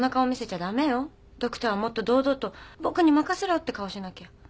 ドクターはもっと堂々と僕に任せろって顔しなきゃ。